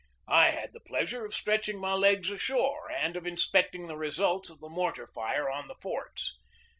I had the pleasure of stretching my legs ashore and of inspecting the results of the mor tar fire on the forts.